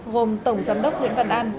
gồm tổng giám đốc nguyễn văn an